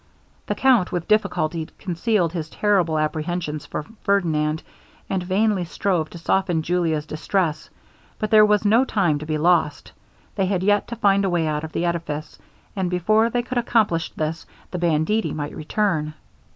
The Count with difficulty concealed his terrible apprehensions for Ferdinand, and vainly strove to soften Julia's distress. But there was no time to be lost they had yet to find a way out of the edifice, and before they could accomplish this, the banditti might return.